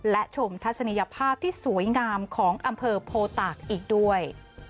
และชมทัศนียภาพที่สวยงามของอำเภอโพตากอีกด้วย